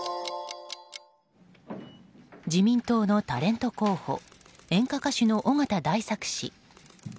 自民党のタレント候補演歌歌手の尾形大作氏。